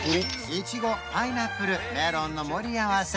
イチゴパイナップルメロンの盛り合わせ